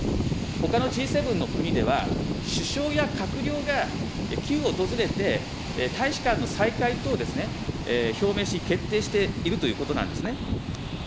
ほかのＧ７の国では、首相や閣僚がキーウを訪れて、大使館の再開等を表明し、決定しているということなんですね。